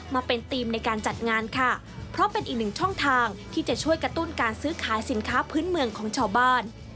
มาเป็นธีมในการจัดงานค่ะเพราะเป็นอีกหนึ่งช่องทางที่จะช่วยกระตุ้นการซื้อขายสินค้าพื้นเมืองของชาวบ้าน